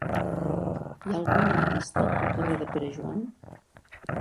Hi ha algun lampista al carrer de Pere Joan?